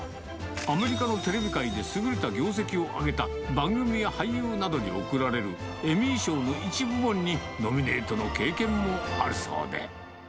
アメリカのテレビ界で優れた業績を上げた番組や俳優などに贈られるエミー賞の一部門にノミネートの経験もあるそうで。